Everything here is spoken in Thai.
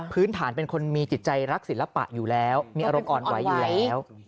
พื้นฐานเป็นคนมีจิตใจรักศิลปะอยู่แล้วมีอารมณ์อ่อนไหวอยู่แล้ว